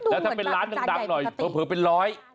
แล้วถ้าเป็นร้านดำหน่อยเผลอเป็น๑๐๐บาท